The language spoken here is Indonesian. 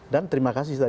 dan terima kasih